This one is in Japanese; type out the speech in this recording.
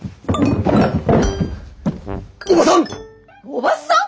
おばさん！